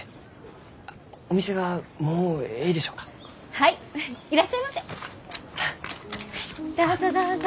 はいどうぞどうぞ。